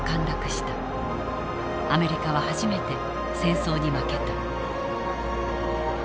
アメリカは初めて戦争に負けた。